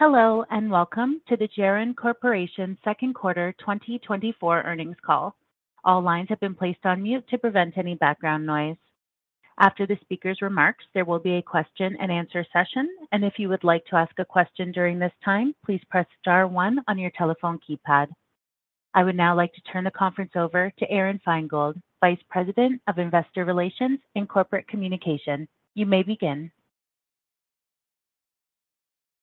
Hello, and welcome to the Geron Corporation Second Quarter 2024 Earnings Call. All lines have been placed on mute to prevent any background noise. After the speaker's remarks, there will be a question-and-answer session, and if you would like to ask a question during this time, please press star one on your telephone keypad. I would now like to turn the conference over to Aron Feingold, Vice President of Investor Relations and Corporate Communications. You may begin.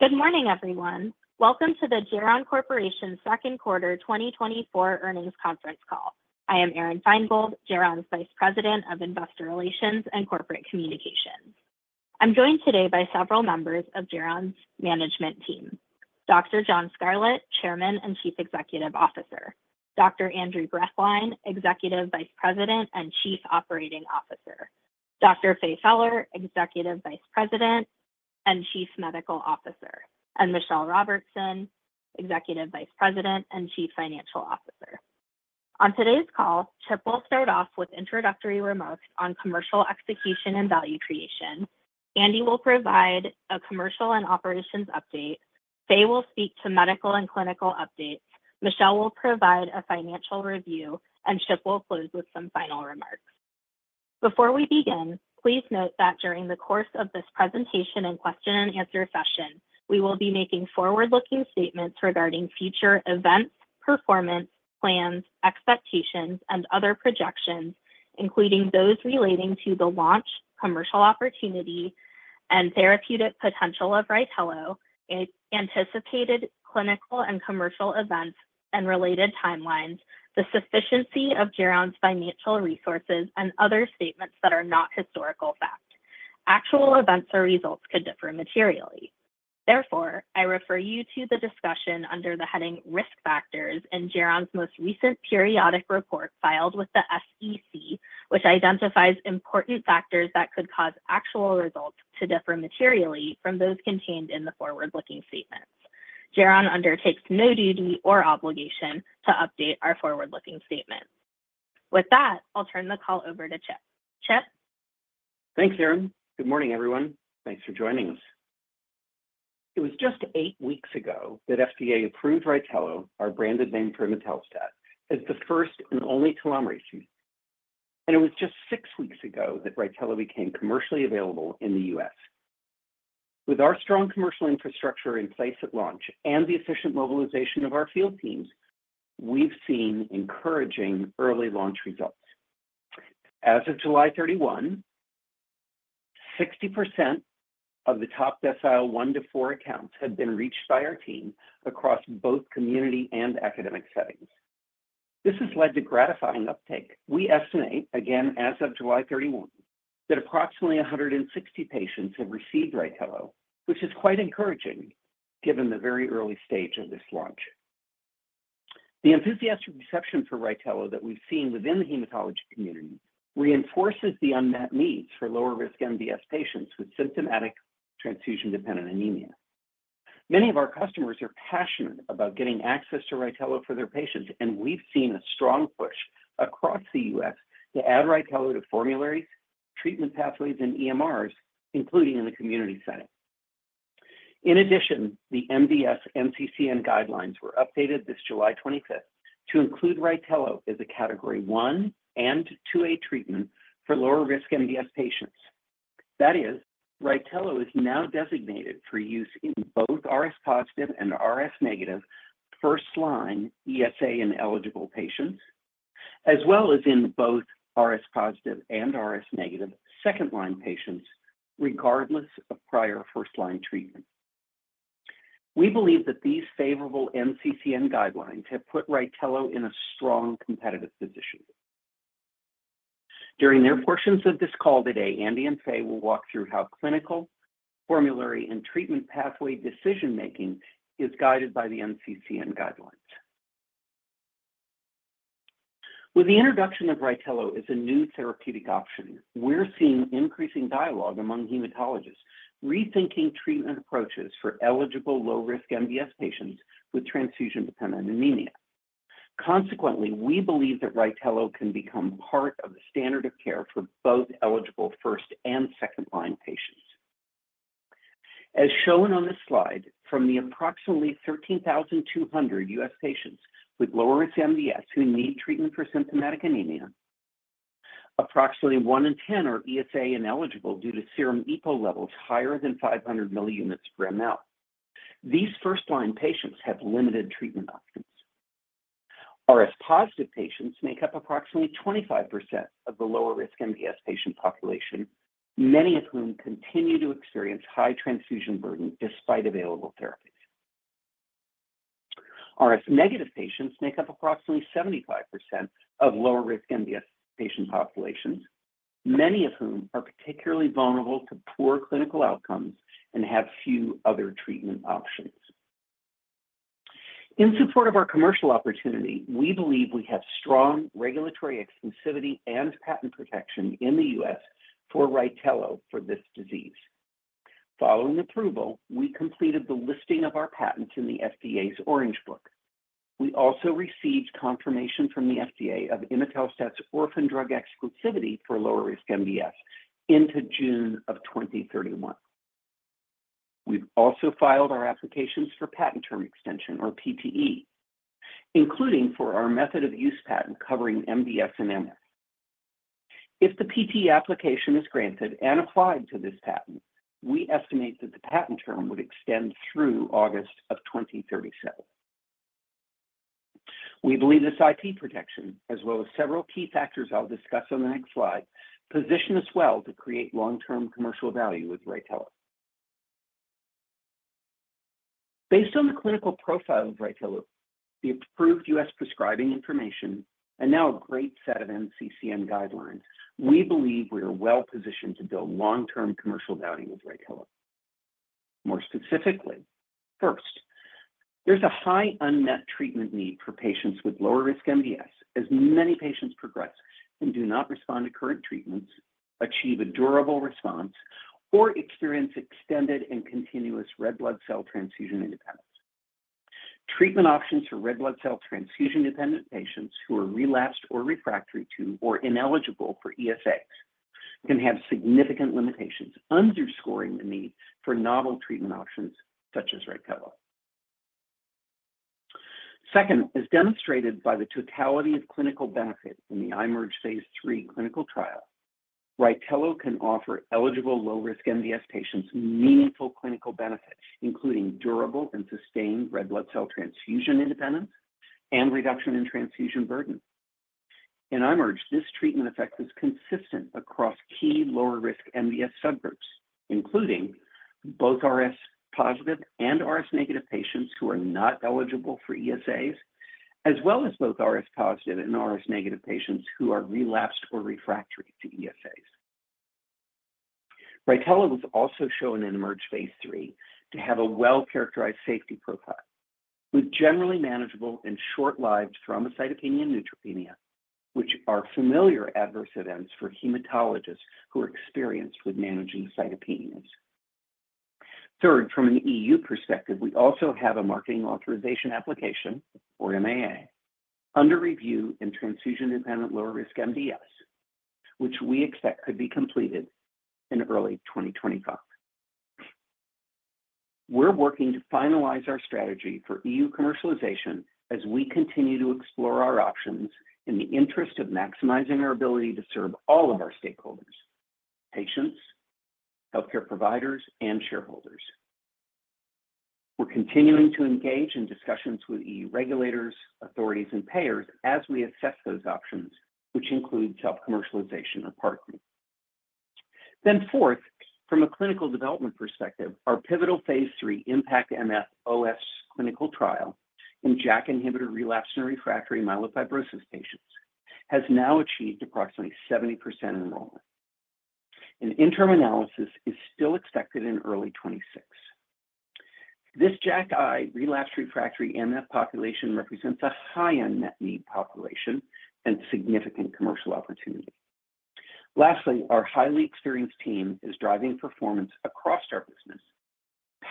Good morning, everyone. Welcome to the Geron Corporation second quarter 2024 earnings conference call. I am Aron Feingold, Geron's Vice President of Investor Relations and Corporate Communications. I'm joined today by several members of Geron's management team: Dr. John Scarlett, Chairman and Chief Executive Officer, Dr. Andrew Grethlein, Executive Vice President and Chief Operating Officer, Dr. Faye Feller, Executive Vice President and Chief Medical Officer, and Michelle Robertson, Executive Vice President and Chief Financial Officer. On today's call, Chip will start off with introductory remarks on commercial execution and value creation. Andy will provide a commercial and operations update. Faye will speak to medical and clinical updates. Michelle will provide a financial review, and Chip will close with some final remarks. Before we begin, please note that during the course of this presentation and question-and-answer session, we will be making forward-looking statements regarding future events, performance, plans, expectations, and other projections, including those relating to the launch, commercial opportunity, and therapeutic potential of RYTELO, anticipated clinical and commercial events and related timelines, the sufficiency of Geron's financial resources, and other statements that are not historical fact. Actual events or results could differ materially. Therefore, I refer you to the discussion under the heading "Risk Factors" in Geron's most recent periodic report filed with the SEC, which identifies important factors that could cause actual results to differ materially from those contained in the forward-looking statements. Geron undertakes no duty or obligation to update our forward-looking statements. With that, I'll turn the call over to Chip. Chip? Thanks, Aron. Good morning, everyone. Thanks for joining us. It was just eight weeks ago that FDA approved RYTELO, our branded name for Imetelstat, as the first and only telomerase. It was just six weeks ago that RYTELO became commercially available in the U.S. With our strong commercial infrastructure in place at launch and the efficient mobilization of our field teams, we've seen encouraging early launch results. As of July 31, 60% of the top decile 1-4 accounts have been reached by our team across both community and academic settings. This has led to gratifying uptake. We estimate, again, as of July 31, that approximately 160 patients have received RYTELO, which is quite encouraging, given the very early stage of this launch. The enthusiastic reception for RYTELO that we've seen within the hematology community reinforces the unmet needs for lower-risk MDS patients with symptomatic transfusion-dependent anemia. Many of our customers are passionate about getting access to RYTELO for their patients, and we've seen a strong push across the U.S. to add RYTELO to formularies, treatment pathways, and EMRs, including in the community setting. In addition, the MDS NCCN guidelines were updated this July 25 to include RYTELO as a Category 1 and 2A treatment for lower-risk MDS patients. That is, RYTELO is now designated for use in both RS positive and RS negative first-line ESA in-eligible patients, as well as in both RS positive and RS negative second-line patients, regardless of prior first-line treatment. We believe that these favorable NCCN guidelines have put RYTELO in a strong competitive position. During their portions of this call today, Andy and Faye will walk through how clinical, formulary, and treatment pathway decision-making is guided by the NCCN guidelines. With the introduction of RYTELO as a new therapeutic option, we're seeing increasing dialogue among hematologists, rethinking treatment approaches for eligible lower-risk MDS patients with transfusion-dependent anemia. Consequently, we believe that RYTELO can become part of the standard of care for both eligible first and second-line patients. As shown on this slide, from the approximately 13,200 U.S. patients with lower-risk MDS who need treatment for symptomatic anemia, approximately one in ten are ESA ineligible due to serum EPO levels higher than 500 milli units per ml. These first-line patients have limited treatment options. RS positive patients make up approximately 25% of the lower-risk MDS patient population, many of whom continue to experience high transfusion burden despite available therapies. RS negative patients make up approximately 75% of lower-risk MDS patient populations, many of whom are particularly vulnerable to poor clinical outcomes and have few other treatment options. In support of our commercial opportunity, we believe we have strong regulatory exclusivity and patent protection in the U.S. for RYTELO for this disease. Following approval, we completed the listing of our patents in the FDA's Orange Book. We also received confirmation from the FDA of imetelstat's orphan drug exclusivity for lower-risk MDS into June 2031. We've also filed our applications for patent term extension, or PTE, including for our method of use patent covering MDS and MS. If the PTE application is granted and applied to this patent, we estimate that the patent term would extend through August 2037. We believe this IP protection, as well as several key factors I'll discuss on the next slide, position us well to create long-term commercial value with RYTELO. Based on the clinical profile of RYTELO, the approved U.S. prescribing information, and now a great set of NCCN Guidelines, we believe we are well-positioned to build long-term commercial value with RYTELO. More specifically, first, there's a high unmet treatment need for patients with lower-risk MDS, as many patients progress and do not respond to current treatments, achieve a durable response, or experience extended and continuous red blood cell transfusion independence. Treatment options for red blood cell transfusion-dependent patients who are relapsed or refractory to, or ineligible for ESAs can have significant limitations, underscoring the need for novel treatment options such as RYTELO. Second, as demonstrated by the totality of clinical benefit in the IMerge Phase III clinical trial, RYTELO can offer eligible lower-risk MDS patients meaningful clinical benefits, including durable and sustained red blood cell transfusion independence and reduction in transfusion burden. In IMerge, this treatment effect is consistent across key lower-risk MDS subgroups, including both RS-positive and RS-negative patients who are not eligible for ESAs, as well as both RS-positive and RS-negative patients who are relapsed or refractory to ESAs. RYTELO was also shown in IMerge Phase III to have a well-characterized safety profile, with generally manageable and short-lived thrombocytopenia and neutropenia, which are familiar adverse events for hematologists who are experienced with managing cytopenias. Third, from an EU perspective, we also have a marketing authorization application, or MAA, under review in transfusion-independent lower-risk MDS, which we expect could be completed in early 2025. We're working to finalize our strategy for EU commercialization as we continue to explore our options in the interest of maximizing our ability to serve all of our stakeholders, patients, healthcare providers, and shareholders. We're continuing to engage in discussions with EU regulators, authorities, and payers as we assess those options, which include self-commercialization or partnering. Then fourth, from a clinical development perspective, our pivotal Phase III IMpactMF OS clinical trial in JAK inhibitor-relapsed and refractory myelofibrosis patients has now achieved approximately 70% enrollment. An interim analysis is still expected in early 2026. This JAKi relapsed refractory MF population represents a high unmet need population and significant commercial opportunity. Lastly, our highly experienced team is driving performance across our business,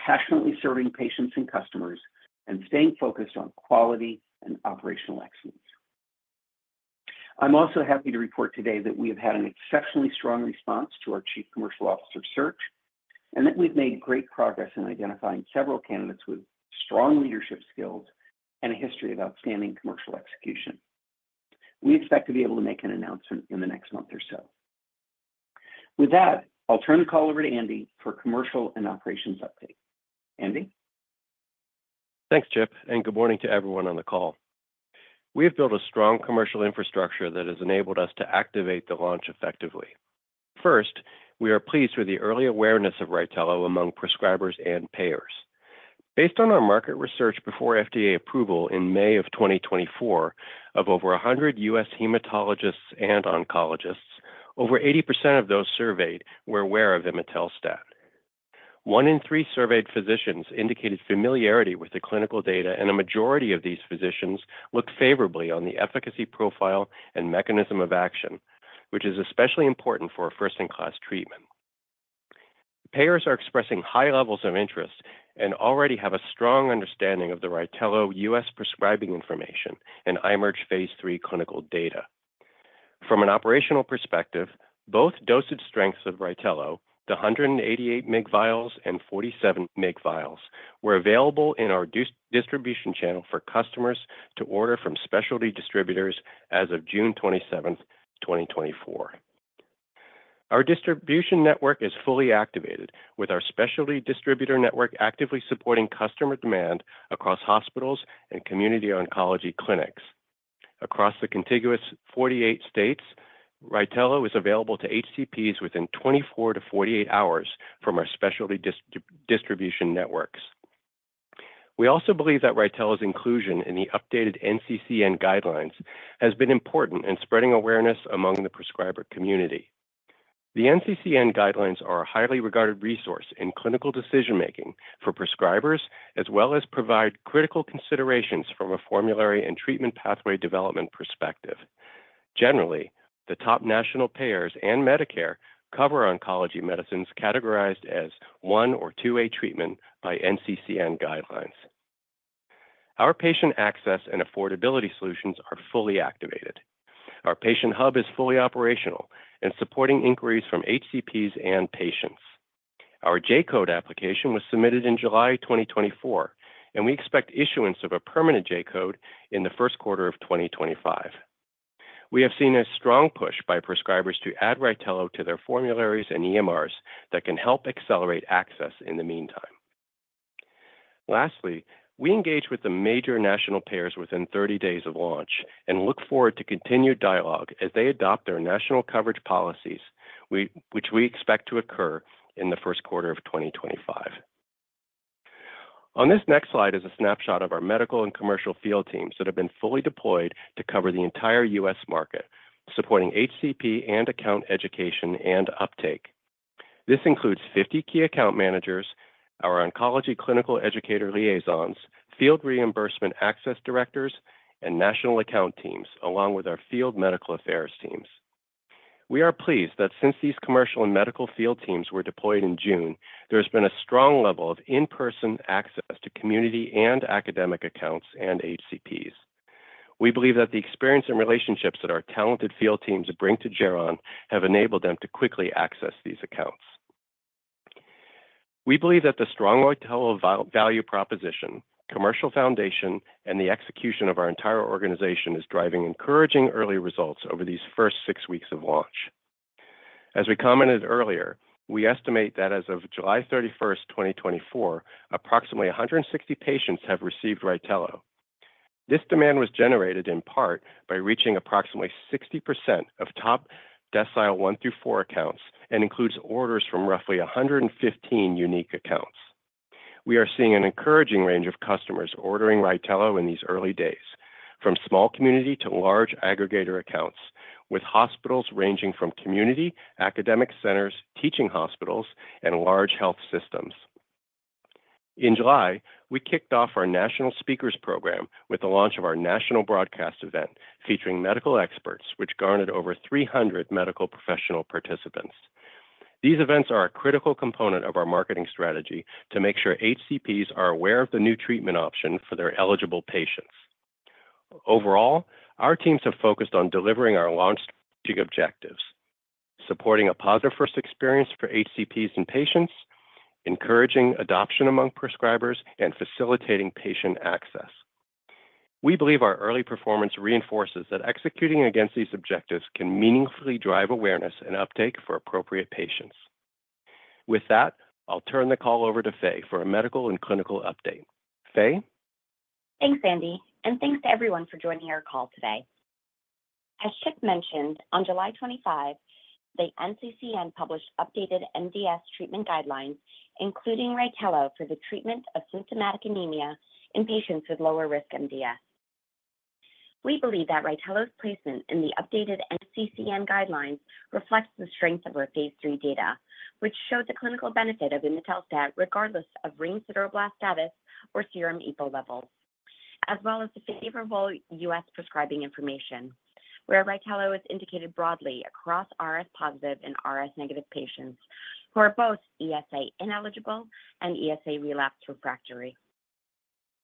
passionately serving patients and customers, and staying focused on quality and operational excellence. I'm also happy to report today that we have had an exceptionally strong response to our Chief Commercial Officer search and that we've made great progress in identifying several candidates with strong leadership skills and a history of outstanding commercial execution. We expect to be able to make an announcement in the next month or so. With that, I'll turn the call over to Andy for commercial and operations update. Andy? Thanks, Chip, and good morning to everyone on the call. We have built a strong commercial infrastructure that has enabled us to activate the launch effectively. First, we are pleased with the early awareness of RYTELO among prescribers and payers. Based on our market research before FDA approval in May 2024, of over 100 U.S. hematologists and oncologists, over 80% of those surveyed were aware of imetelstat. One in three surveyed physicians indicated familiarity with the clinical data, and a majority of these physicians looked favorably on the efficacy profile and mechanism of action, which is especially important for a first-in-class treatment. Payers are expressing high levels of interest and already have a strong understanding of the RYTELO U.S. prescribing information and IMerge Phase III clinical data. From an operational perspective, both dosage strengths of RYTELO, the 188 mg vials and 47 mg vials, were available in our distribution channel for customers to order from specialty distributors as of June 27, 2024. Our distribution network is fully activated, with our specialty distributor network actively supporting customer demand across hospitals and community oncology clinics. Across the contiguous 48 states, RYTELO is available to HCPs within 24-48 hours from our specialty distribution networks. We also believe that RYTELO's inclusion in the updated NCCN guidelines has been important in spreading awareness among the prescriber community. The NCCN guidelines are a highly regarded resource in clinical decision-making for prescribers, as well as provide critical considerations from a formulary and treatment pathway development perspective. Generally, the top national payers and Medicare cover oncology medicines categorized as one or two-way treatment by NCCN guidelines. Our patient access and affordability solutions are fully activated. Our patient hub is fully operational and supporting inquiries from HCPs and patients. Our J-Code application was submitted in July 2024, and we expect issuance of a permanent J-Code in the first quarter of 2025. We have seen a strong push by prescribers to add RYTELO to their formularies and EMRs that can help accelerate access in the meantime. Lastly, we engage with the major national payers within 30 days of launch and look forward to continued dialogue as they adopt our national coverage policies, which we expect to occur in the first quarter of 2025. On this next slide is a snapshot of our medical and commercial field teams that have been fully deployed to cover the entire U.S. market, supporting HCP and account education and uptake. This includes 50 key account managers, our oncology clinical educator liaisons, field reimbursement access directors, and national account teams, along with our field medical affairs teams. We are pleased that since these commercial and medical field teams were deployed in June, there has been a strong level of in-person access to community and academic accounts and HCPs. We believe that the experience and relationships that our talented field teams bring to Geron have enabled them to quickly access these accounts. We believe that the strong RYTELO value proposition, commercial foundation, and the execution of our entire organization is driving encouraging early results over these first six weeks of launch. As we commented earlier, we estimate that as of July 31, 2024, approximately 160 patients have received RYTELO. This demand was generated in part by reaching approximately 60% of top Decile 1 through 4 accounts and includes orders from roughly 115 unique accounts. We are seeing an encouraging range of customers ordering RYTELO in these early days, from small community to large aggregator accounts, with hospitals ranging from community, academic centers, teaching hospitals, and large health systems. In July, we kicked off our national speakers program with the launch of our national broadcast event, featuring medical experts, which garnered over 300 medical professional participants. These events are a critical component of our marketing strategy to make sure HCPs are aware of the new treatment option for their eligible patients. Overall, our teams have focused on delivering our launch objectives: supporting a positive first experience for HCPs and patients, encouraging adoption among prescribers, and facilitating patient access. We believe our early performance reinforces that executing against these objectives can meaningfully drive awareness and uptake for appropriate patients. With that, I'll turn the call over to Faye for a medical and clinical update. Faye? Thanks, Andy, and thanks to everyone for joining our call today. As Chip mentioned, on July 25, the NCCN published updated MDS treatment guidelines, including RYTELO, for the treatment of symptomatic anemia in patients with lower risk MDS. We believe that RYTELO's placement in the updated NCCN guidelines reflects the strength of our Phase III data, which showed the clinical benefit of Imetelstat, regardless of ring sideroblasts status or serum EPO levels, as well as the favorable U.S. prescribing information, where RYTELO is indicated broadly across RS positive and RS negative patients who are both ESA ineligible and ESA relapsed refractory.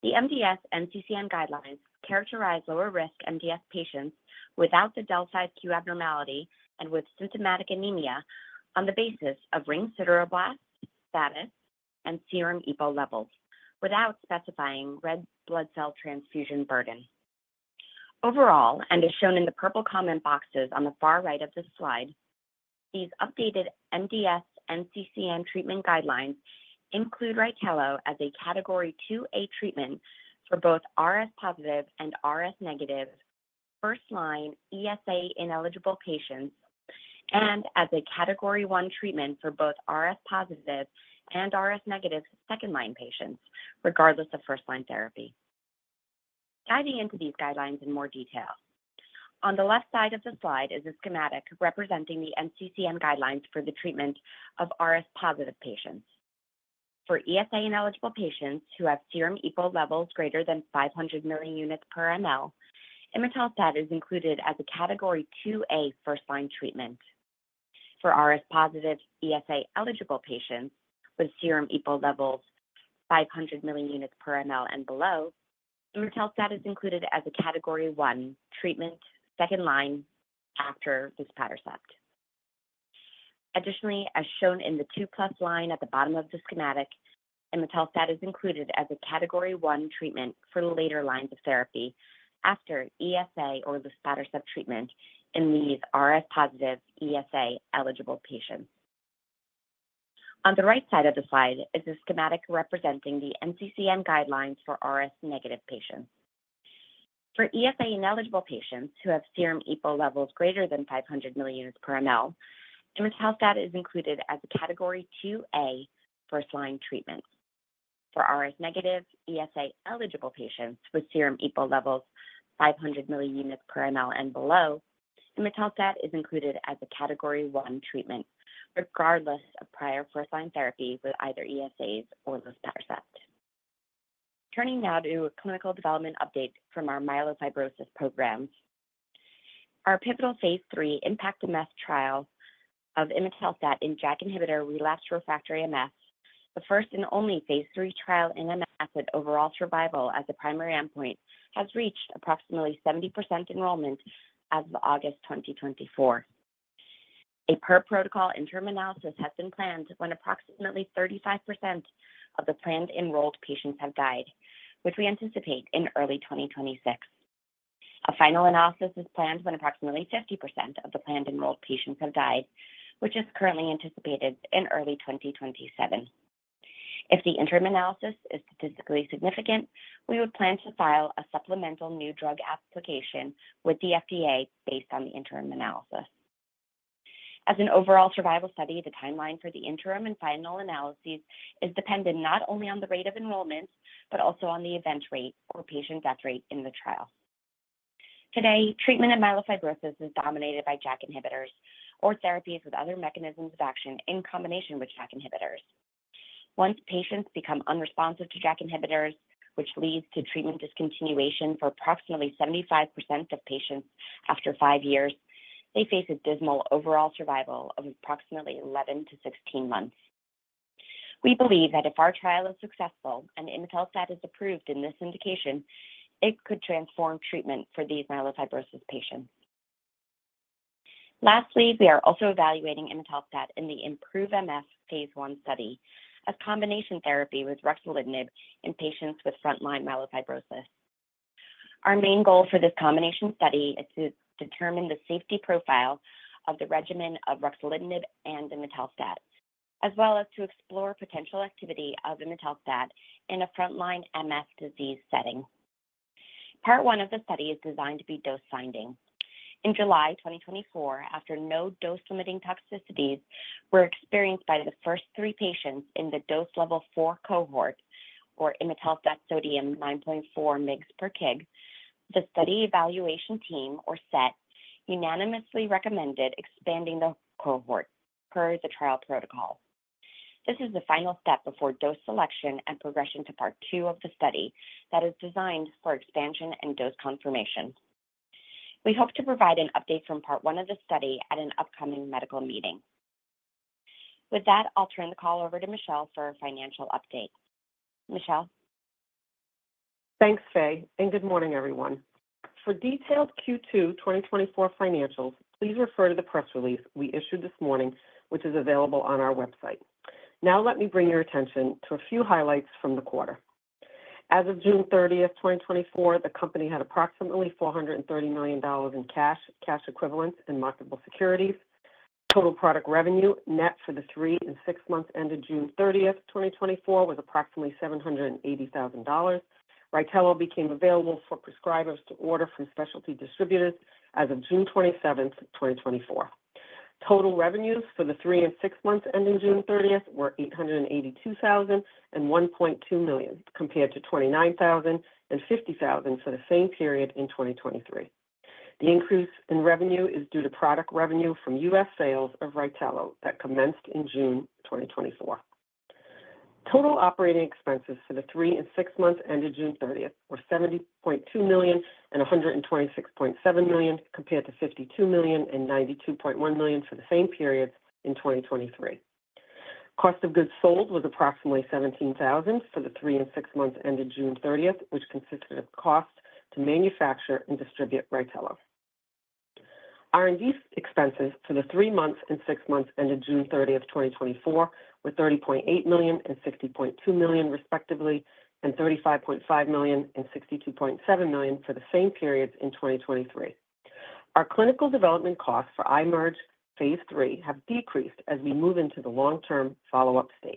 The MDS NCCN guidelines characterize lower risk MDS patients without the del(5q) abnormality and with symptomatic anemia on the basis of ring sideroblasts status and serum EPO levels, without specifying red blood cell transfusion burden. Overall, and as shown in the purple comment boxes on the far right of this slide, these updated MDS NCCN treatment guidelines include RYTELO as a Category 2A treatment for both RS positive and RS negative first-line ESA-ineligible patients, and as a Category 1 treatment for both RS positive and RS negative second-line patients, regardless of first-line therapy. Diving into these guidelines in more detail. On the left side of the slide is a schematic representing the NCCN guidelines for the treatment of RS positive patients. For ESA-ineligible patients who have serum EPO levels greater than 500 milli-units per ml, imetelstat is included as a Category 2A first-line treatment. For RS positive ESA-eligible patients with serum EPO levels 500 milli-units per ml and below, imetelstat is included as a Category 1 treatment, second-line after luspatercept. Additionally, as shown in the 2+ line at the bottom of the schematic, imetelstat is included as a Category 1 treatment for later lines of therapy after ESA or luspatercept treatment in these RS positive ESA-eligible patients. On the right side of the slide is a schematic representing the NCCN guidelines for RS negative patients. For ESA-ineligible patients who have serum EPO levels greater than 500 milli-units per mL, imetelstat is included as a Category 2A first-line treatment. For RS negative ESA-eligible patients with serum EPO levels 500 milli-units per mL and below, imetelstat is included as a Category 1 treatment, regardless of prior first-line therapy with either ESAs or luspatercept.... Turning now to a clinical development update from our myelofibrosis program. Our pivotal Phase III IMpactMF trial of Imetelstat in JAK inhibitor-relapsed/refractory MF, the first and only Phase III trial in MF with overall survival as the primary endpoint, has reached approximately 70% enrollment as of August 2024. A per-protocol interim analysis has been planned when approximately 35% of the planned enrolled patients have died, which we anticipate in early 2026. A final analysis is planned when approximately 50% of the planned enrolled patients have died, which is currently anticipated in early 2027. If the interim analysis is statistically significant, we would plan to file a supplemental new drug application with the FDA based on the interim analysis. As an overall survival study, the timeline for the interim and final analyses is dependent not only on the rate of enrollment, but also on the event rate or patient death rate in the trial. Today, treatment of myelofibrosis is dominated by JAK inhibitors or therapies with other mechanisms of action in combination with JAK inhibitors. Once patients become unresponsive to JAK inhibitors, which leads to treatment discontinuation for approximately 75% of patients after five years, they face a dismal overall survival of approximately 11-16 months. We believe that if our trial is successful and imetelstat is approved in this indication, it could transform treatment for these myelofibrosis patients. Lastly, we are also evaluating imetelstat in the IMproveMF Phase I study as combination therapy with ruxolitinib in patients with frontline myelofibrosis. Our main goal for this combination study is to determine the safety profile of the regimen of ruxolitinib and imetelstat, as well as to explore potential activity of imetelstat in a frontline MF disease setting. Part 1 of the study is designed to be dose-finding. In July 2024, after no dose-limiting toxicities were experienced by the first three patients in the dose level four cohort, or Imetelstat sodium 9.4 mg/kg, the Study Evaluation Team, or SET, unanimously recommended expanding the cohort per the trial protocol. This is the final step before dose selection and progression to part two of the study that is designed for expansion and dose confirmation. We hope to provide an update from part one of the study at an upcoming medical meeting. With that, I'll turn the call over to Michelle for a financial update. Michelle? Thanks, Faye, and good morning, everyone. For detailed Q2 2024 financials, please refer to the press release we issued this morning, which is available on our website. Now let me bring your attention to a few highlights from the quarter. As of June 30, 2024, the company had approximately $430 million in cash, cash equivalents, and marketable securities. Total product revenue net for the three and six months ended June 30, 2024, was approximately $780,000. RYTELO became available for prescribers to order from specialty distributors as of June 27, 2024. Total revenues for the three and six months ending June 30 were $882,000 and $1.2 million, compared to $29,000 and $50,000 for the same period in 2023. The increase in revenue is due to product revenue from U.S. sales of RYTELO that commenced in June 2024. Total operating expenses for the three and six months ended June 30 were $70.2 million and $126.7 million, compared to $52 million and $92.1 million for the same period in 2023. Cost of goods sold was approximately $17,000 for the three and six months ended June 30, which consisted of cost to manufacture and distribute RYTELO. R&D expenses for the three months and six months ended June 30, 2024, were $30.8 million and $60.2 million, respectively, and $35.5 million and $62.7 million for the same periods in 2023. Our clinical development costs for IMerge Phase III have decreased as we move into the long-term follow-up stage.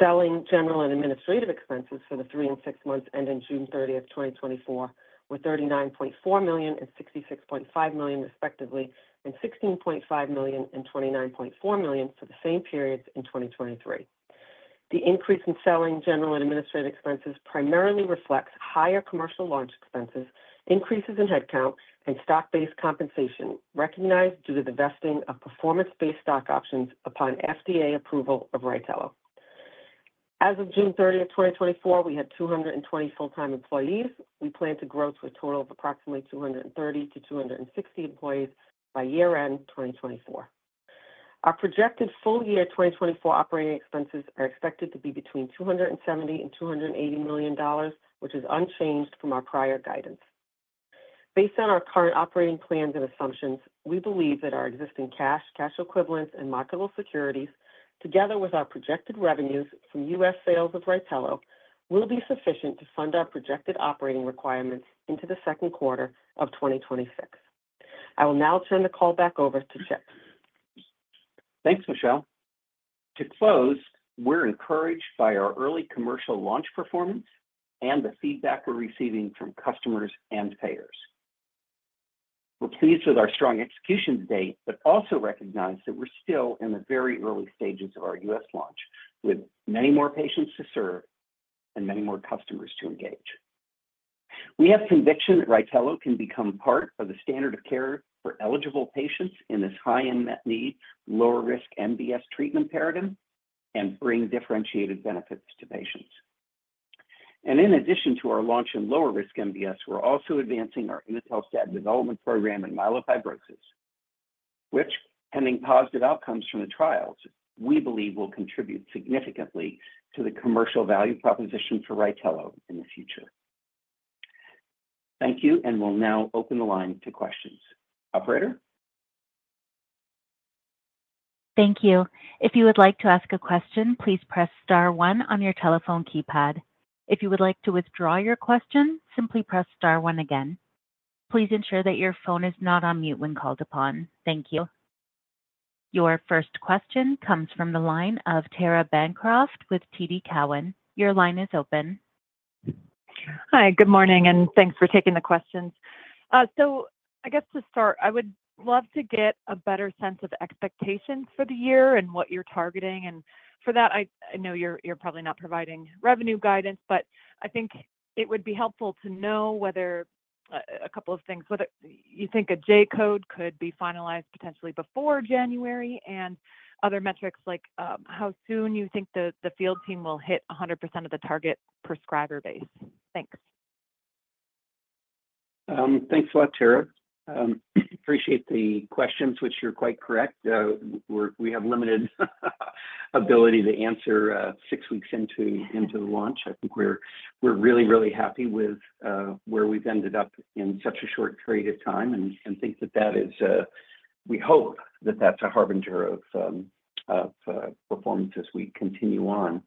Selling, general, and administrative expenses for the three and six months ending June 30th, 2024, were $39.4 million and $66.5 million, respectively, and $16.5 million and $29.4 million for the same periods in 2023. The increase in selling, general, and administrative expenses primarily reflects higher commercial launch expenses, increases in headcount, and stock-based compensation recognized due to the vesting of performance-based stock options upon FDA approval of RYTELO. As of June 30th, 2024, we had 220 full-time employees. We plan to grow to a total of approximately 230-260 employees by year-end 2024. Our projected full year 2024 operating expenses are expected to be between $270 million and $280 million, which is unchanged from our prior guidance. Based on our current operating plans and assumptions, we believe that our existing cash, cash equivalents, and marketable securities, together with our projected revenues from U.S. sales of RYTELO, will be sufficient to fund our projected operating requirements into the second quarter of 2026. I will now turn the call back over to Chip. Thanks, Michelle. To close, we're encouraged by our early commercial launch performance and the feedback we're receiving from customers and payers. We're pleased with our strong execution to date, but also recognize that we're still in the very early stages of our U.S. launch, with many more patients to serve and many more customers to engage.... We have conviction that RYTELO can become part of the standard of care for eligible patients in this high unmet need, lower risk MDS treatment paradigm and bring differentiated benefits to patients. In addition to our launch in lower risk MDS, we're also advancing our imetelstat development program in myelofibrosis, which, pending positive outcomes from the trials, we believe will contribute significantly to the commercial value proposition for RYTELO in the future. Thank you, and we'll now open the line to questions. Operator? Thank you. If you would like to ask a question, please press star one on your telephone keypad. If you would like to withdraw your question, simply press star one again. Please ensure that your phone is not on mute when called upon. Thank you. Your first question comes from the line of Tara Bancroft with TD Cowen. Your line is open. Hi, good morning, and thanks for taking the questions. I guess to start, I would love to get a better sense of expectations for the year and what you're targeting. For that, I know you're probably not providing revenue guidance, but I think it would be helpful to know whether a couple of things, whether you think a J-code could be finalized potentially before January, and other metrics like how soon you think the field team will hit 100% of the target prescriber base? Thanks. Thanks a lot, Tara. Appreciate the questions, which you're quite correct. We have limited ability to answer, six weeks into the launch. I think we're really happy with where we've ended up in such a short period of time, and think that that is, we hope that that's a harbinger of performance as we continue on.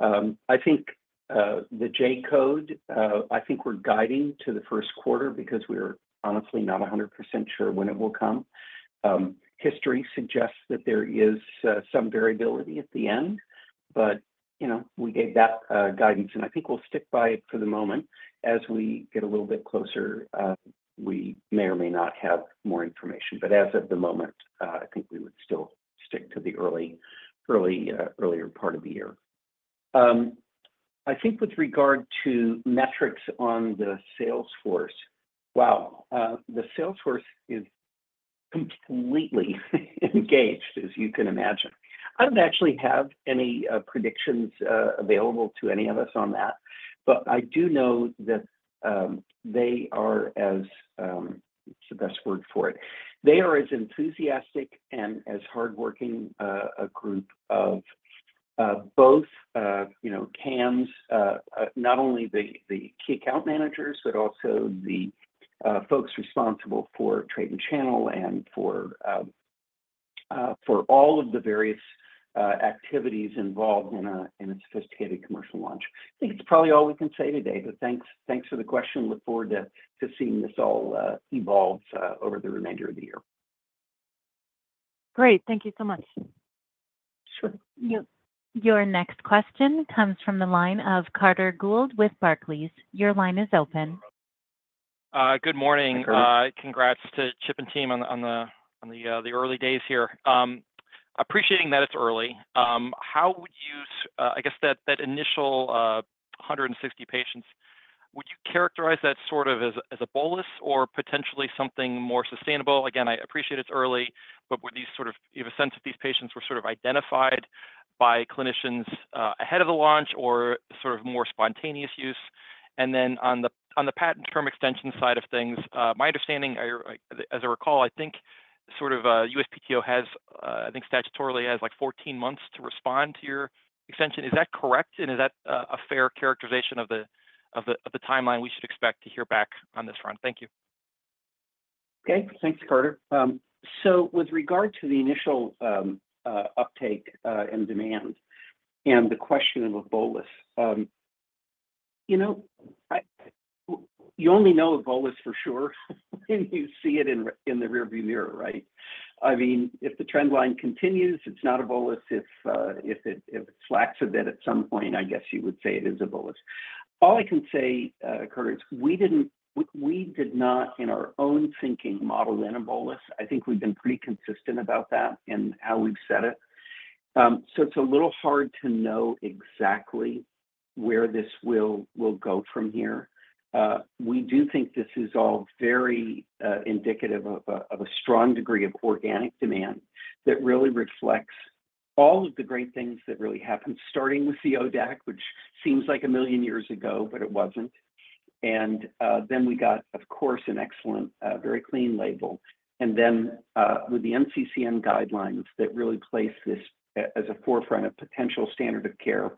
I think the J-code, I think we're guiding to the first quarter because we're honestly not 100% sure when it will come. History suggests that there is some variability at the end, but, you know, we gave that guidance, and I think we'll stick by it for the moment. As we get a little bit closer, we may or may not have more information, but as of the moment, I think we would still stick to the early, early, earlier part of the year. I think with regard to metrics on the sales force, wow, the sales force is completely engaged, as you can imagine. I don't actually have any predictions available to any of us on that, but I do know that they are as, what's the best word for it? They are as enthusiastic and as hardworking a group of both, you know, KAMs, not only the key account managers, but also the folks responsible for trade and channel and for all of the various activities involved in a sophisticated commercial launch. I think it's probably all we can say today, but thanks, thanks for the question. Look forward to, to seeing this all, evolve, over the remainder of the year. Great. Thank you so much. Sure. Yep. Your next question comes from the line of Carter Gould with Barclays. Your line is open. Good morning. Hi, Carter. Congrats to Chip and team on the early days here. Appreciating that it's early, how would you... I guess that initial 160 patients, would you characterize that sort of as a bolus or potentially something more sustainable? Again, I appreciate it's early, but would these sort of, you have a sense if these patients were sort of identified by clinicians ahead of the launch or sort of more spontaneous use? And then on the patent term extension side of things, my understanding, or as I recall, I think sort of USPTO has, I think statutorily has, like, 14 months to respond to your extension. Is that correct, and is that a fair characterization of the timeline we should expect to hear back on this front? Thank you. Okay. Thanks, Carter. So with regard to the initial uptake and demand and the question of a bolus, you know, you only know a bolus for sure when you see it in the rearview mirror, right? I mean, if the trend line continues, it's not a bolus. If it slacks a bit at some point, I guess you would say it is a bolus. All I can say, Carter, is we did not, in our own thinking, model in a bolus. I think we've been pretty consistent about that and how we've said it. So it's a little hard to know exactly where this will go from here. We do think this is all very indicative of a strong degree of organic demand that really reflects all of the great things that really happened, starting with the ODAC, which seems like a million years ago, but it wasn't. And then we got, of course, an excellent, very clean label. And then, with the NCCN guidelines that really place this as a forefront of potential standard of care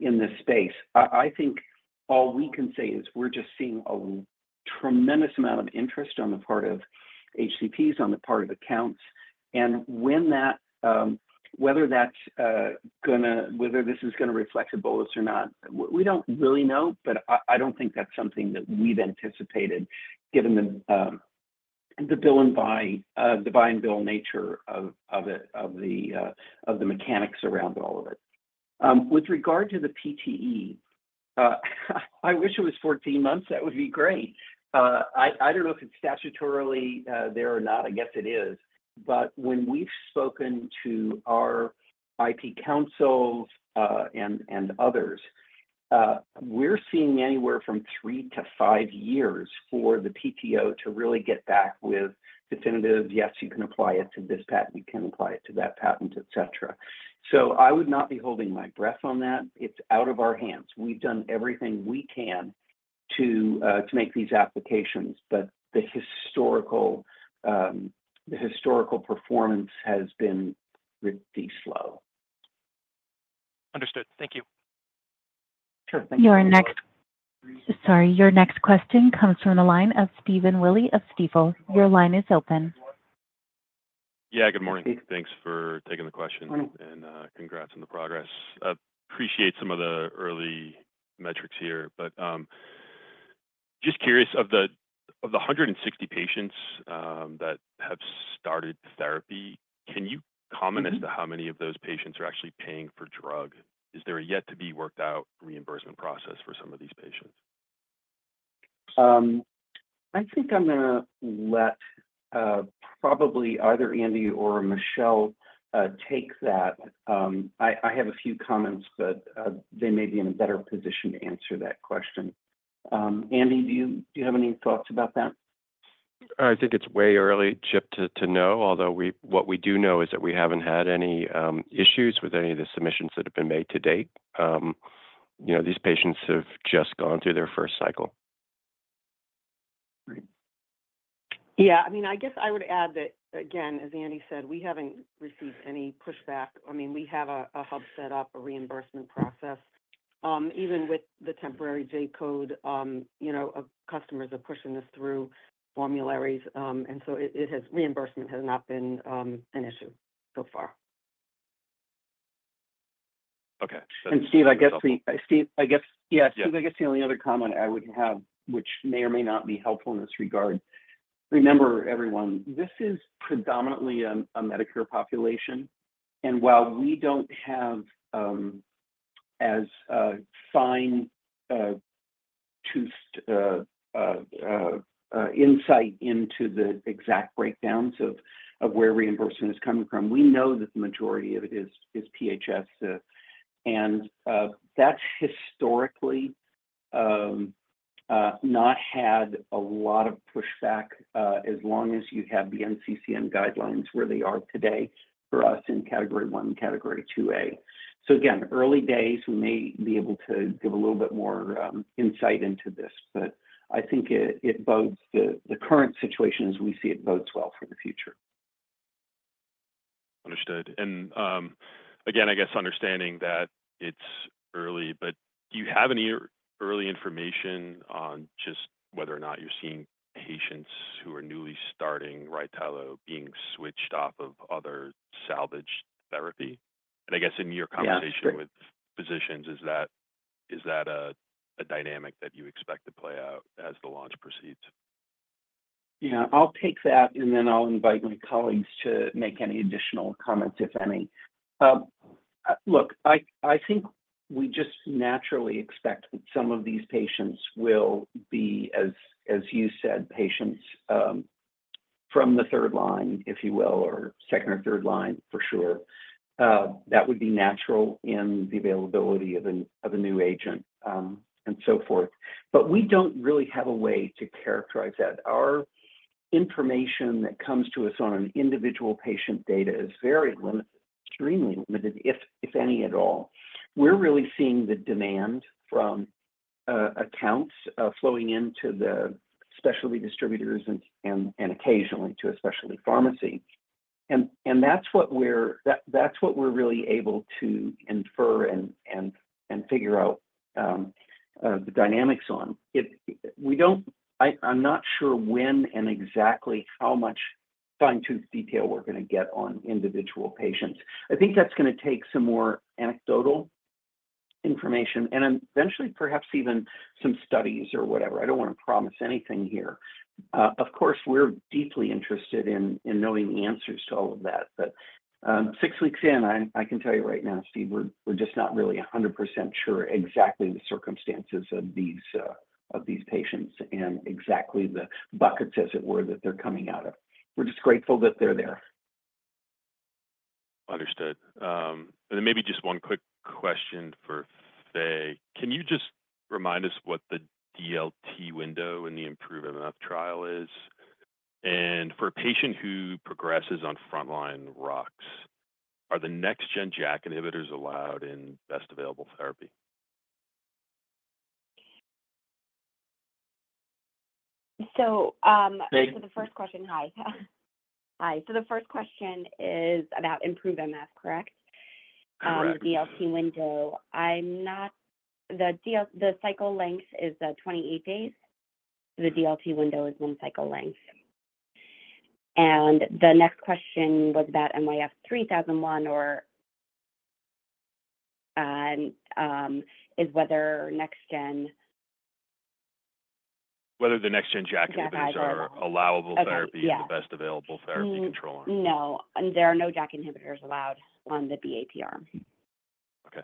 in this space, I, I think all we can say is we're just seeing a tremendous amount of interest on the part of HCPs, on the part of accounts, and when that, whether that's, whether this is gonna reflect a bolus or not, we, we don't really know, but I, I don't think that's something that we've anticipated, given the, the buy and bill nature of, of the, of the mechanics around all of it. With regard to the PTE, I wish it was 14 months. That would be great! I, I don't know if it's statutorily there or not. I guess it is. But when we've spoken to our IP counsels, and others, we're seeing anywhere from 3-5 years for the PTO to really get back with definitive, "Yes, you can apply it to this patent, you can apply it to that patent," et cetera. So I would not be holding my breath on that. It's out of our hands. We've done everything we can to make these applications, but the historical performance has been pretty slow. Understood. Thank you. Sure. Thank you- Your next question comes from the line of Stephen Willey of Stifel. Your line is open. Yeah, good morning. Steve. Thanks for taking the question. Mm-hmm. -and, congrats on the progress. Appreciate some of the early metrics here, but just curious, of the 160 patients that have started therapy, can you comment- Mm-hmm As to how many of those patients are actually paying for drug? Is there a yet-to-be-worked-out reimbursement process for some of these patients? I think I'm gonna let, probably either Andy or Michelle, take that. I have a few comments, but they may be in a better position to answer that question. Andy, do you have any thoughts about that? I think it's way early, Chip, to know, although what we do know is that we haven't had any issues with any of the submissions that have been made to date. You know, these patients have just gone through their first cycle. Great. Yeah, I mean, I guess I would add that, again, as Andy said, we haven't received any pushback. I mean, we have a hub set up, a reimbursement process. Even with the temporary J-code, you know, our customers are pushing this through formularies, and so it has—reimbursement has not been an issue so far. Okay. That's- Steve, I guess. Yeah. Yeah. Steve, I guess the only other comment I would have, which may or may not be helpful in this regard. Remember, everyone, this is predominantly a Medicare population, and while we don't have as fine-tooth insight into the exact breakdowns of where reimbursement is coming from, we know that the majority of it is PHS, and that's historically not had a lot of pushback, as long as you have the NCCN Guidelines where they are today for us in Category 1 and Category 2A. So again, early days, we may be able to give a little bit more insight into this, but I think it bodes, the current situation as we see it bodes well for the future. Understood. And, again, I guess understanding that it's early, but do you have any early information on just whether or not you're seeing patients who are newly starting RYTELO being switched off of other salvage therapy? And I guess in your conversation- Yeah, sure. with physicians, is that a dynamic that you expect to play out as the launch proceeds? Yeah, I'll take that, and then I'll invite my colleagues to make any additional comments, if any. Look, I think we just naturally expect that some of these patients will be, as you said, patients from the third line, if you will, or second or third line, for sure. That would be natural in the availability of a new agent, and so forth. But we don't really have a way to characterize that. Our information that comes to us on an individual patient data is very limited, extremely limited, if any at all. We're really seeing the demand from accounts flowing into the specialty distributors and occasionally to a specialty pharmacy. And that's what we're really able to infer and figure out the dynamics on. We don't—I, I'm not sure when and exactly how much fine-tooth detail we're gonna get on individual patients. I think that's gonna take some more anecdotal information and eventually perhaps even some studies or whatever. I don't wanna promise anything here. Of course, we're deeply interested in knowing the answers to all of that. But six weeks in, I can tell you right now, Steve, we're just not really 100% sure exactly the circumstances of these of these patients and exactly the buckets, as it were, that they're coming out of. We're just grateful that they're there. Understood. And then maybe just one quick question for Faye. Can you just remind us what the DLT window in the IMproveMF trial is? And for a patient who progresses on frontline rux, are the next-gen JAK inhibitors allowed in best available therapy? So, um- Faye?... so the first question. Hi. Hi. So the first question is about IMproveMF, correct? Correct. DLT window. The cycle length is 28 days, so the DLT window is one cycle length. The next question was about MYF3001 or is whether next-gen... Whether the next-gen JAK inhibitors- JAK inhibitors... are available therapy- Okay. Yeah... in the Best Available Therapy control. No, there are no JAK inhibitors allowed on the BAT arm. Okay.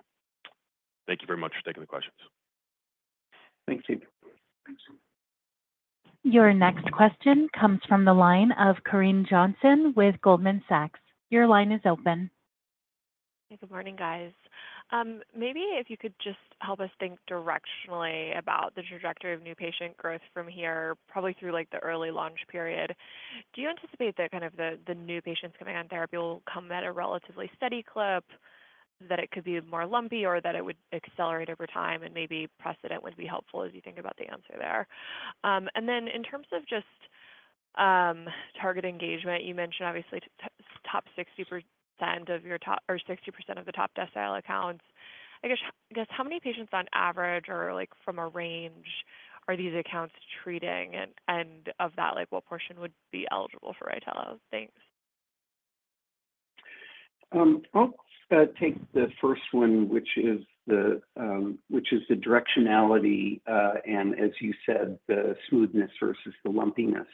Thank you very much for taking the questions. Thanks you. Thanks. Your next question comes from the line of Corinne Johnson with Goldman Sachs. Your line is open. Hey, good morning, guys. Maybe if you could just help us think directionally about the trajectory of new patient growth from here, probably through, like, the early launch period. Do you anticipate that kind of the new patients coming on therapy will come at a relatively steady clip, that it could be more lumpy, or that it would accelerate over time, and maybe precedent would be helpful as you think about the answer there? And then in terms of just target engagement, you mentioned obviously the top 60% of your top or 60% of the top decile accounts. I guess, I guess how many patients on average or, like, from a range are these accounts treating? And of that, like, what portion would be eligible for RYTELO? Thanks. I'll take the first one, which is the directionality, and as you said, the smoothness versus the lumpiness.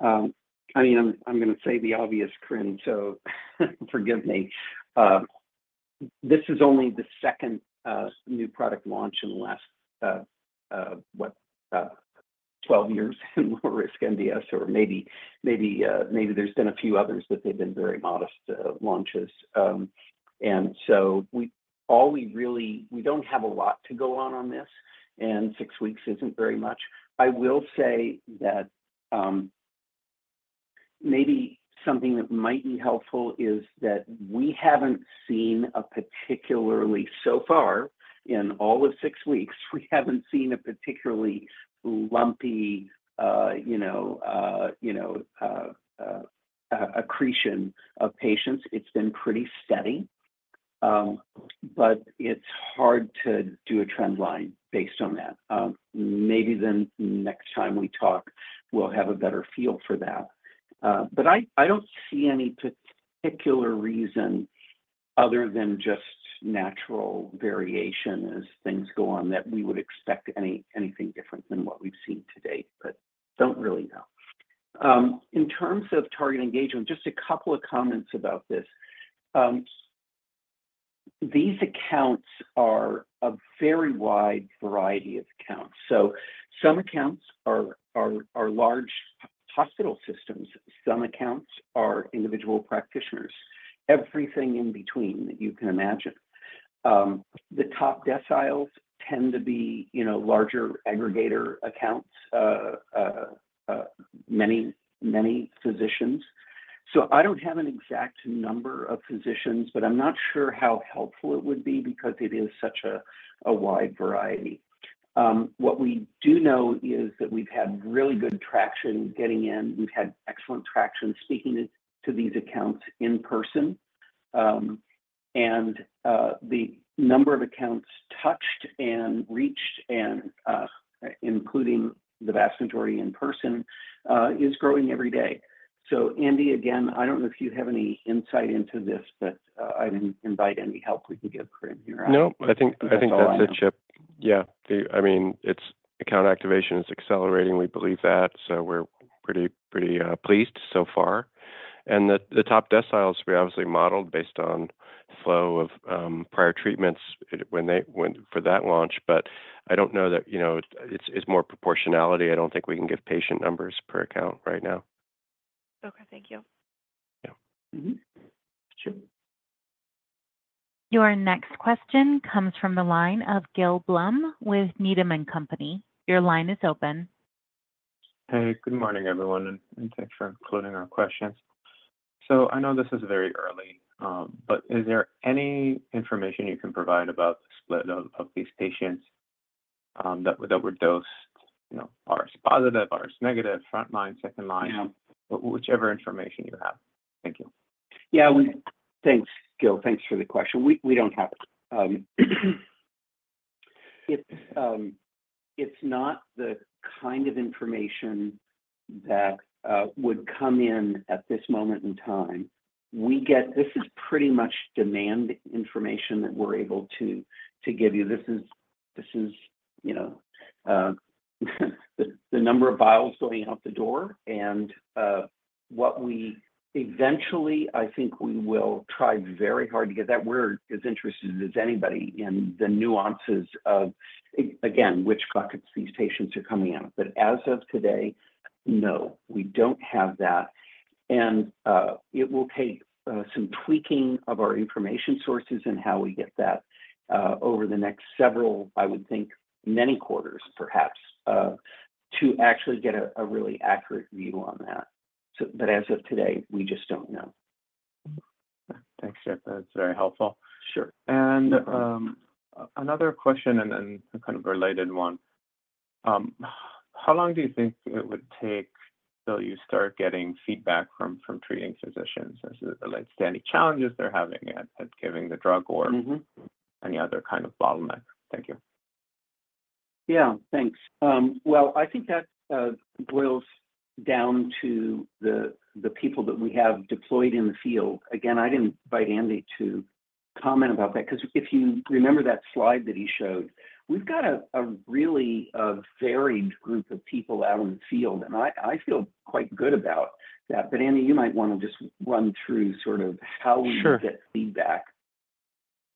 I mean, I'm gonna say the obvious, Corinne, so forgive me. This is only the second new product launch in the last 12 years in lower-risk MDS, or maybe there's been a few others, but they've been very modest launches. And so we... All we really-- we don't have a lot to go on on this, and six weeks isn't very much. I will say that, maybe something that might be helpful is that we haven't seen a particularly, so far, in all of six weeks, we haven't seen a particularly lumpy, you know, you know, accretion of patients. It's been pretty steady. But it's hard to do a trend line based on that. Maybe then next time we talk, we'll have a better feel for that. But I don't see any particular reason, other than just natural variation as things go on, that we would expect anything different than what we've seen to date, but don't really know. In terms of target engagement, just a couple of comments about this. These accounts are a very wide variety of accounts. So some accounts are large hospital systems. Some accounts are individual practitioners. Everything in between that you can imagine. The top deciles tend to be, you know, larger aggregator accounts, many physicians. So I don't have an exact number of physicians, but I'm not sure how helpful it would be because it is such a wide variety. What we do know is that we've had really good traction getting in. We've had excellent traction speaking to these accounts in person. The number of accounts touched and reached, including the vast majority in person, is growing every day. So Andy, again, I don't know if you have any insight into this, but I'd invite any help we can give Corinne here. No, I think, I think that's it, Chip. Yeah. I mean, it's... Account activation is accelerating. We believe that, so we're pretty, pretty pleased so far. And the top deciles, we obviously modeled based on flow of prior treatments when they, when for that launch, but I don't know that, you know, it's more proportionality. I don't think we can give patient numbers per account right now. Okay. Thank you. Yeah. Mm-hmm. Sure. Your next question comes from the line of Gil Blum with Needham & Company. Your line is open. Hey, good morning, everyone, and thanks for including our questions. So I know this is very early, but is there any information you can provide about the split of these patients that were dosed, you know, RS positive, RS negative, front line, second line? Yeah. Whichever information you have. Thank you. Yeah, Thanks, Gil. Thanks for the question. We don't have it. It's not the kind of information that would come in at this moment in time. We get this is pretty much demand information that we're able to give you. This is, you know, the number of vials going out the door and what we eventually, I think we will try very hard to get that. We're as interested as anybody in the nuances of, again, which buckets these patients are coming in. But as of today, no, we don't have that. And it will take some tweaking of our information sources and how we get that over the next several, I would think, many quarters, perhaps, to actually get a really accurate view on that. But as of today, we just don't know. Thanks, Chip. That's very helpful. Sure. Another question and then a kind of related one. How long do you think it would take till you start getting feedback from treating physicians as to the outstanding challenges they're having at giving the drug or- Mm-hmm... any other kind of bottleneck? Thank you. Yeah, thanks. Well, I think that boils down to the people that we have deployed in the field. Again, I'd invite Andy to comment about that, 'cause if you remember that slide that he showed, we've got a really varied group of people out in the field, and I feel quite good about that. But Andy, you might wanna just run through sort of how we- Sure... get feedback.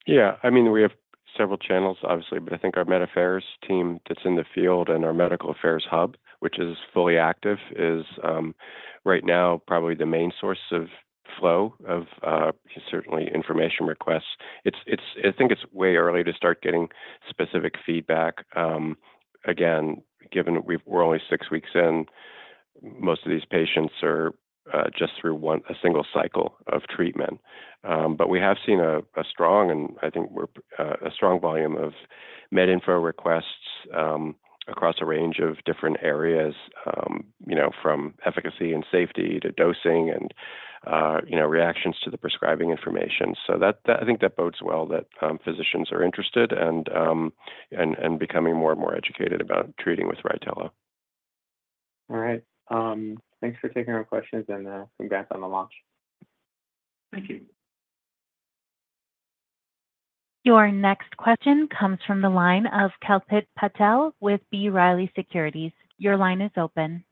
...Yeah, I mean, we have several channels, obviously, but I think our med affairs team that's in the field and our medical affairs hub, which is fully active, is right now probably the main source of flow of certainly information requests. It's way early to start getting specific feedback. Again, given that we're only six weeks in, most of these patients are just through one, a single cycle of treatment. But we have seen a strong, and I think we're a strong volume of med info requests across a range of different areas, you know, from efficacy and safety to dosing and you know, reactions to the prescribing information. So that I think that bodes well that physicians are interested and becoming more and more educated about treating with RYTELO. All right. Thanks for taking our questions, and congrats on the launch. Thank you. Your next question comes from the line of Kalpit Patel with B. Riley Securities. Your line is open.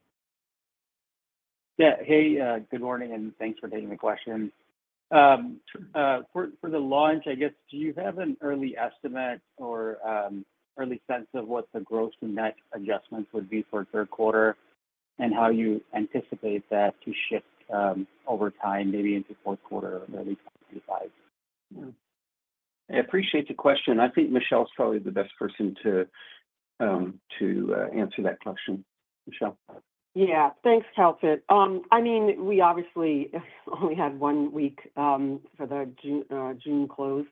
Yeah. Hey, good morning, and thanks for taking the question. For the launch, I guess, do you have an early estimate or early sense of what the gross to net adjustments would be for third quarter, and how you anticipate that to shift over time, maybe into fourth quarter or maybe 2025? I appreciate the question. I think Michelle is probably the best person to answer that question. Michelle? Yeah. Thanks, Kalpit. I mean, we obviously only had one week for the June close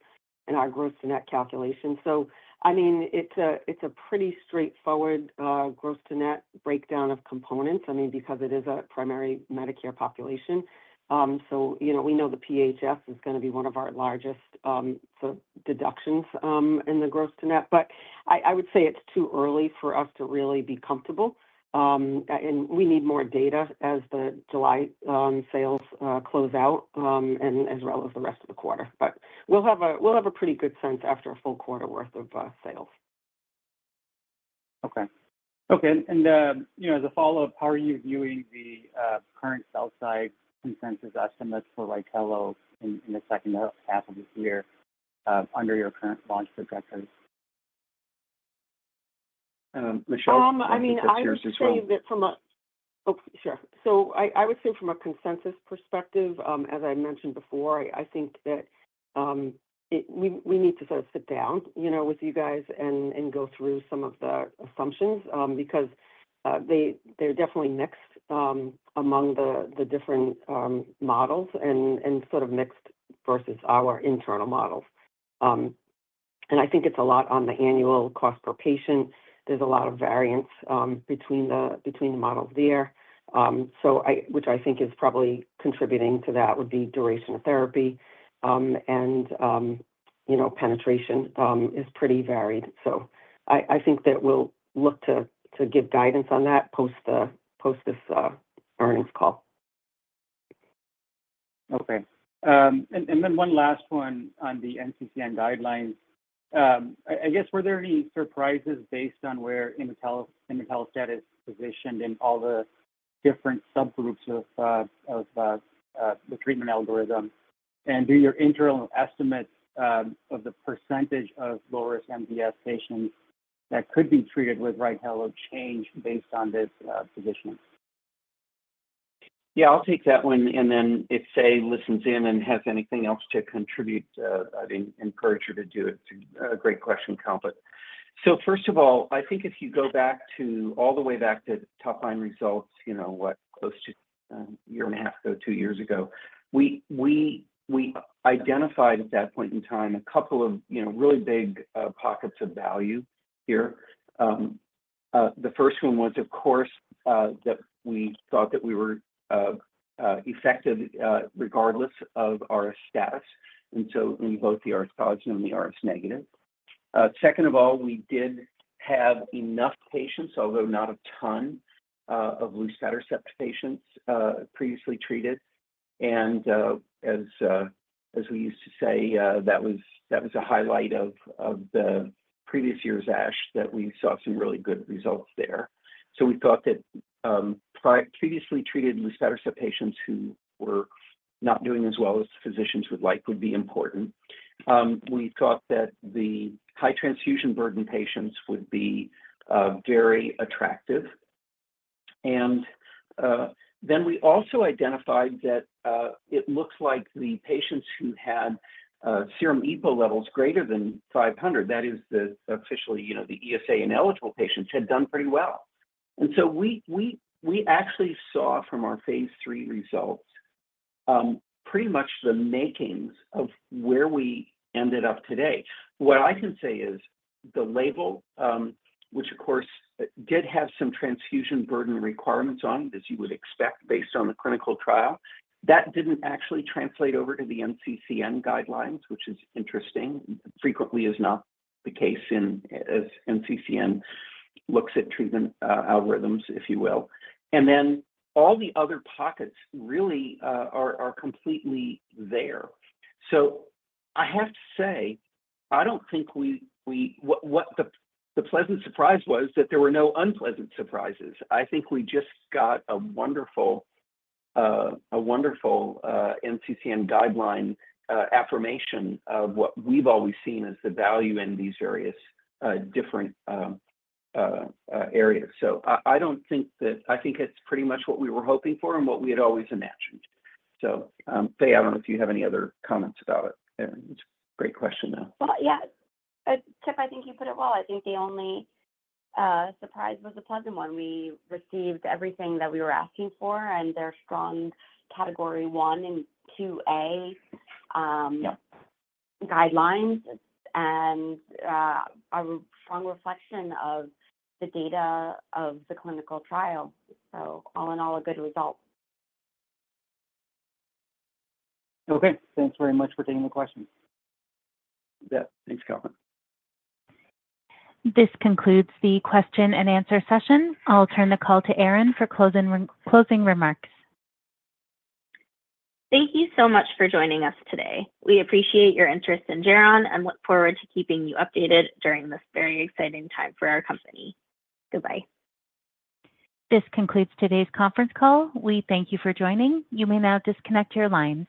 in our gross-to-net calculation. So I mean, it's a pretty straightforward gross to net breakdown of components, I mean, because it is a primary Medicare population. So, you know, we know the PHF is gonna be one of our largest so deductions in the gross to net. But I would say it's too early for us to really be comfortable and we need more data as the July sales close out and as well as the rest of the quarter. But we'll have a pretty good sense after a full quarter worth of sales. Okay. Okay, and, you know, as a follow-up, how are you viewing the current sell side consensus estimates for RYTELO in the second half of this year under your current launch projections? Um, Michelle- I mean- I think it's yours as well.... I would say that from a— Oh, sure. So I would say from a consensus perspective, as I mentioned before, I think that we need to sort of sit down, you know, with you guys and go through some of the assumptions, because they're definitely mixed among the different models and sort of mixed versus our internal models. And I think it's a lot on the annual cost per patient. There's a lot of variance between the models there. So which I think is probably contributing to that, would be duration of therapy, and you know, penetration is pretty varied. So I think that we'll look to give guidance on that post this earnings call. Okay. And then one last one on the NCCN Guidelines. I guess, were there any surprises based on where imetelstat is positioned in all the different subgroups of the treatment algorithm? And do your internal estimates of the percentage of lower-risk MDS patients that could be treated with RYTELO change based on this positioning? Yeah, I'll take that one, and then if Faye listens in and has anything else to contribute, I'd encourage her to do it. It's a great question, Kalpit. So first of all, I think if you go back to all the way back to top-line results, you know, close to a year and a half ago, 2 years ago, we identified at that point in time a couple of, you know, really big pockets of value here. The first one was, of course, that we thought that we were effective regardless of RS status, and so in both the RS positive and the RS negative. Second of all, we did have enough patients, although not a ton, of del(5q) patients, previously treated. As we used to say, that was a highlight of the previous year's ASH, that we saw some really good results there. So we thought that previously treated lower-risk MDS patients who were not doing as well as physicians would like would be important. We thought that the high transfusion burden patients would be very attractive. And then we also identified that it looks like the patients who had serum EPO levels greater than 500, that is officially, you know, the ESA-ineligible patients, had done pretty well. And so we actually saw from our Phase III results pretty much the makings of where we ended up today. What I can say is the label, which, of course, did have some transfusion burden requirements on it, as you would expect, based on the clinical trial, that didn't actually translate over to the NCCN Guidelines, which is interesting. Frequently is not the case in... as NCCN looks at treatment algorithms, if you will. And then all the other pockets really are completely there. So I have to say, I don't think what the pleasant surprise was that there were no unpleasant surprises. I think we just got a wonderful NCCN guideline affirmation of what we've always seen as the value in these various different areas. So I don't think that. I think it's pretty much what we were hoping for and what we had always imagined. Faye, I don't know if you have any other comments about it, and it's a great question, though. Well, yeah, Chip, I think you put it well. I think the only surprise was a pleasant one. We received everything that we were asking for, and they're strong Category 1 and 2A. Yeah... guidelines and are a strong reflection of the data of the clinical trial. So all in all, a good result. Okay. Thanks very much for taking the question. Yeah. Thanks, Kalpit. This concludes the question and answer session. I'll turn the call to Aron for closing remarks. Thank you so much for joining us today. We appreciate your interest in Geron and look forward to keeping you updated during this very exciting time for our company. Goodbye. This concludes today's conference call. We thank you for joining. You may now disconnect your lines.